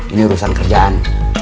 ini urusan kerjaan